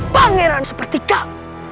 pangeran seperti kau